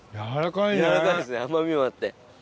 やわらかいですね甘みもあって。